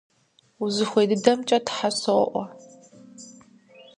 Узыхуей дыдэмкӀэ Тхьэ соӀуэ!